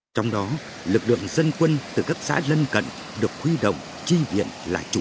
trong đó lực lượng dân quân từ các xã lân cận được huy động chi viện là chủ yếu